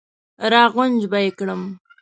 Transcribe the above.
را غونج به یې کړم.